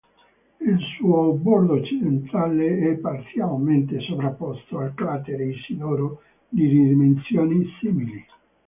Il suo bordo occidentale è parzialmente sovrapposto al cratere Isidoro, di dimensioni simili.